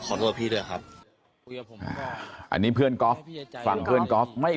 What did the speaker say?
ขอโทษพี่ด้วยครับอันนี้เพื่อนกอล์ฟฝั่งเพื่อนกอล์ฟไม่